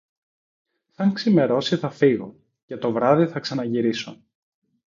Σαν ξημερώσει θα φύγω, και το βράδυ θα ξαναγυρίσω